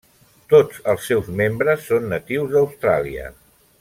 Tots els seus membres són natius d'Austràlia.